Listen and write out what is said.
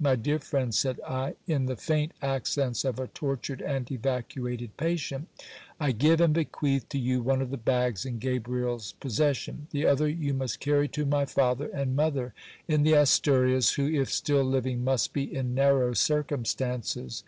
My dear friend, said I, in the faint accents of a tortured and evacuated patient. I give and bequeath to you one of the bags in Gabriel's possession ; GIL BLAS IS SET AT LIBERTY. 329 the other you must carry to my father and mother in the Asturias, who, if still living, must be in narrow circumstances.